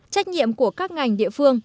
trách nhiệm của các ngành địa phương